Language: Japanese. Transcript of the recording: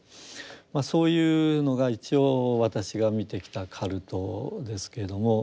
そういうのが一応私が見てきたカルトですけども。